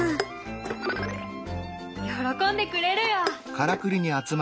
喜んでくれるよ！